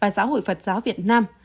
xã hội phật giáo việt nam